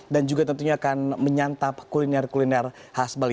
dan juga tentunya akan menyantap kuliner kuliner khas bali